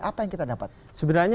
apa yang kita dapat dari perbicaraan ini